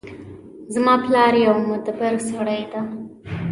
زما پلار یو مدبر سړی ده